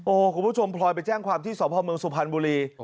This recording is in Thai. โอ้คุณผู้ชมพลอยไปแจ้งความที่สมภาษณ์เมืองสุภัณฑ์บุรี